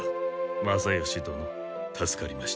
昌義どの助かりました。